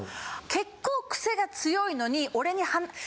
結構クセが強いのに俺に。